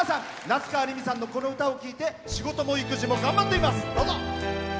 夏川りみさんのこの歌を聴いて仕事も育児も頑張っています。